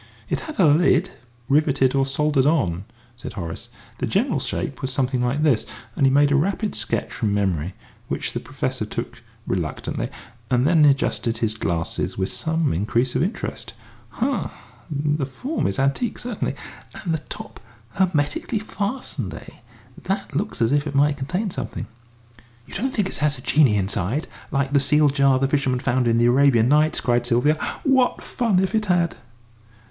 "It had a lid, riveted or soldered on," said Horace; "the general shape was something like this ..." And he made a rapid sketch from memory, which the Professor took reluctantly, and then adjusted his glasses with some increase of interest. "Ha the form is antique, certainly. And the top hermetically fastened, eh? That looks as if it might contain something." "You don't think it has a genie inside, like the sealed jar the fisherman found in the 'Arabian Nights'?" cried Sylvia. "What fun if it had!"